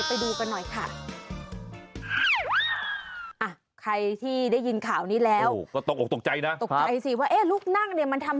ปัดศาวะไม่ได้แล้วก็เข้าโรงพยาบาล